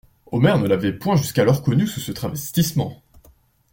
Omer ne l'avait point jusqu'alors connu sous ce travestissement.